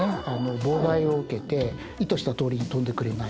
妨害を受けて意図したとおりに飛んでくれない。